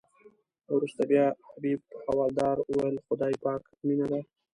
وروسته بیا حبیب حوالدار ویل خدای پاک مینه ده.